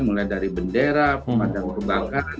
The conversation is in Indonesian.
mulai dari bendera pemadam kebakaran